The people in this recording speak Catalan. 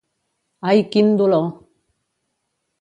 Ai, quin dolor!